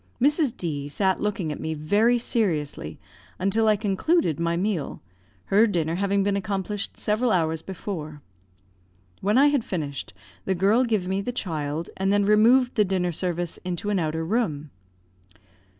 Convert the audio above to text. Mrs. D sat looking at me very seriously until I concluded my meal, her dinner having been accomplished several hours before. When I had finished, the girl give me the child, and then removed the dinner service into an outer room.